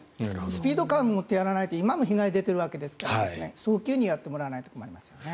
スピード感を持ってやらないと今も被害が出ているわけですから早急にやってもらわないと困りますよね。